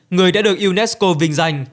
người đã được unesco vinh danh